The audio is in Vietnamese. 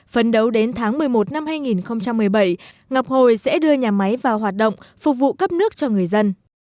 phấn đấu đến tháng một mươi một năm hai nghìn một mươi bảy ngọc hồi sẽ đưa nhà máy vào hoạt động phục vụ cấp nước cho người dân